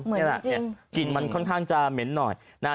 เหมือนจริงจริงกลิ่นมันค่อนข้างจะเหม็นหน่อยนะฮะ